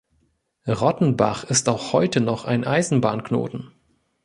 Rottenbach ist auch heute noch ein Eisenbahnknoten.